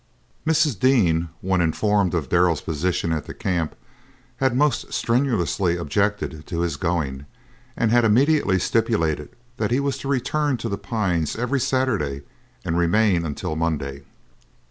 Mrs. Dean, when informed of Darrell's position at the camp, had most strenuously objected to his going, and had immediately stipulated that he was to return to The Pines every Saturday and remain until Monday.